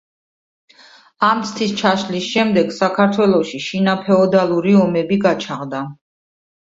ამ ცდის ჩაშლის შემდეგ საქართველოში შინაფეოდალური ომები გაჩაღდა.